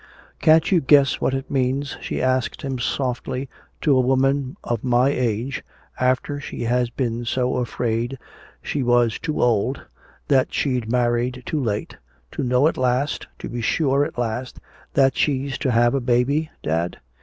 "Can't you guess what it means," she asked him softly, "to a woman of my age after she has been so afraid she was too old, that she'd married too late to know at last to be sure at last that she's to have a baby, dad?"